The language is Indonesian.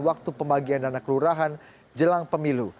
waktu pembagian dana kelurahan jelang pemilu